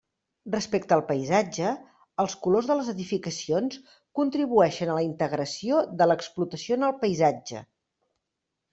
Respecte al paisatge, els colors de les edificacions contribueixen a la integració de l'explotació en el paisatge.